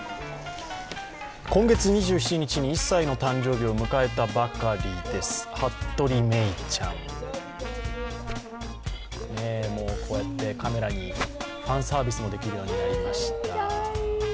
今月２７日に１歳の誕生日を迎えたばかりです、服部恵生ちゃんカメラにファンサービスもできるようになりました。